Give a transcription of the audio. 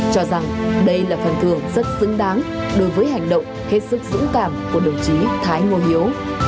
cho rằng đây là phần thưởng rất xứng đáng đối với hành động hết sức dũng cảm của đồng chí thái ngô hiếu